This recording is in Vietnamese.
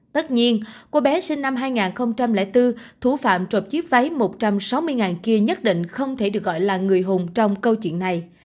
tất nhiên cô bé sinh năm hai nghìn bốn thủ phạm trộm chiếc váy một trăm sáu mươi kia nhất định không thể được gọi là người hùng trong câu chuyện này